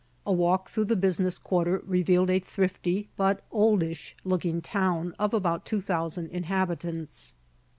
A walk through the business quarter revealed a thrifty, but oldish looking town of about two thousand inhabitants.